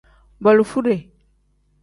Borofude.